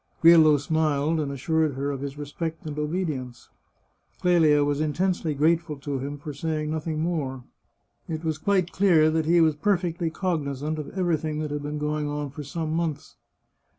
Grillo smiled, and assured her of his respect and obedi ence. Clelia was intensely grateful to him for saying noth ing more. It was quite clear that he was perfectly cognizant of everything that had been going on for some months.